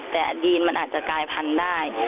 แต่ดีนมันอาจจะกลายพันธุ์ได้